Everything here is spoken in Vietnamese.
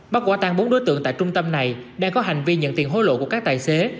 bắt quả tan bốn đối tượng tại trung tâm này đang có hành vi nhận tiền hối lộ của các tài xế